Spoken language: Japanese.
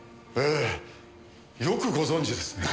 ええ。よくご存じですね。